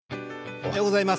おはようございます。